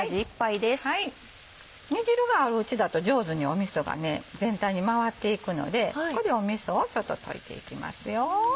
煮汁があるうちだと上手にみそが全体に回っていくのでここでみそを溶いていきます。